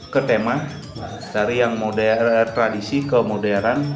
ke tema dari yang tradisi ke modern